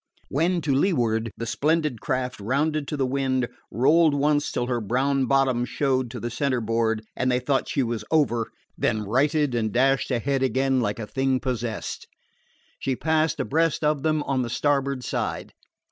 When to leeward, the splendid craft rounded to the wind, rolling once till her brown bottom showed to the centerboard and they thought she was over, then righting and dashing ahead again like a thing possessed. She passed abreast of them on the starboard side.